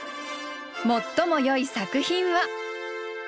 最もよい作品は。